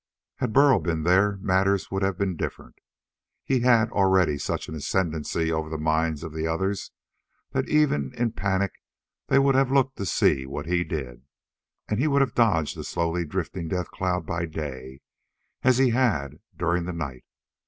Had Burl been there, matters would have been different. He had already such an ascendancy over the minds of the others that even in panic they would have looked to see what he did. And he would have dodged the slowly drifting death cloud by day, as he had during the night.